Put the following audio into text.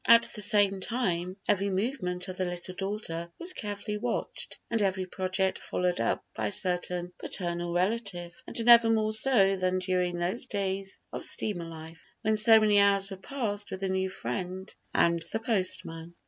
At the same time, every movement of the little daughter was carefully watched and every project followed up by a certain paternal relative, and never more so than during those days of steamer life, when so many hours were passed with the new friend and the postman.